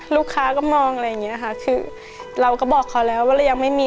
ลูกค้าก็มองอะไรอย่างเงี้ยค่ะคือเราก็บอกเขาแล้วว่าเรายังไม่มี